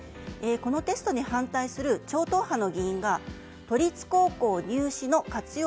このテストに反対する超党派の議員が都立高校入試の活用